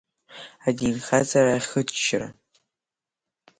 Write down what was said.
Адинхаҵара ахыччара.